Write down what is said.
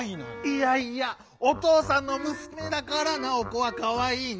いやいや「おとうさんのむすめだからナオコはかわいい」んだ！